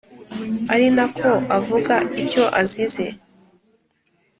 ari na ko avuga icyo azize;